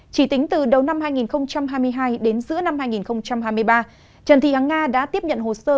chỉ tính từ đầu năm hai nghìn hai mươi hai đến giữa năm hai nghìn hai mươi ba trần thị hằng nga đã tiếp nhận hồ sơ